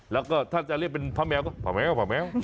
แล้วก็ถ้าจะเรียกเป็นพระแมวก็ผาแมวผาแมว